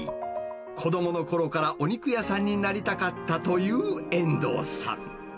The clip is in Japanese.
子どものころからお肉屋さんになりたかったという遠藤さん。